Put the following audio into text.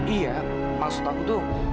iya maksud aku tuh